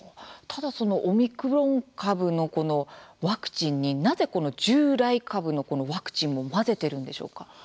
ただオミクロン株のワクチンになぜ従来株のワクチンも混ぜてるんでしょうか。